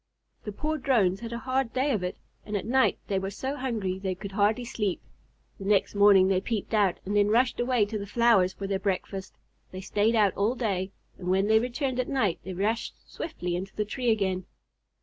The poor Drones had a hard day of it, and at night they were so hungry they could hardly sleep. The next morning they peeped out, and then rushed away to the flowers for their breakfast. They stayed out all day, and when they returned at night they rushed swiftly into the tree again.